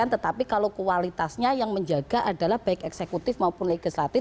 tetapi kalau kualitasnya yang menjaga adalah baik eksekutif maupun legislatif